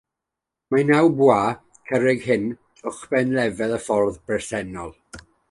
Mae'r naw bwa carreg hyn uwchben lefel y ffordd bresennol.